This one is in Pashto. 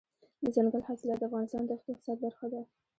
دځنګل حاصلات د افغانستان د اقتصاد برخه ده.